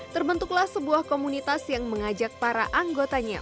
terbentuklah sebuah komunitas yang mengajak para anggotanya